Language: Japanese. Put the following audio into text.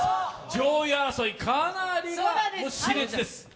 上位争い、かなりし烈です。